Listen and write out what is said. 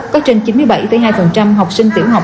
có trên chín mươi bảy hai học sinh tiểu học